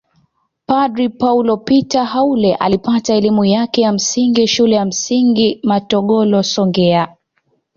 Padre Paul Peter Haule alipata elimu yake ya msingi shule ya msingi matogolo songea